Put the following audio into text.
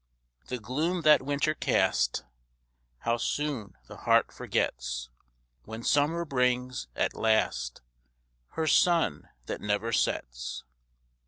The gloom that winter cast, How soon the heart forgets, When summer brings, at last, Her sun that never sets!